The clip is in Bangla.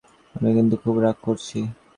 আমি কিন্তু খুব রাগ করছি।